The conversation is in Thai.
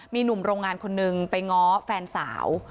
มีหนุ่มโรงงานคนนึงไปง้อแฟนสาว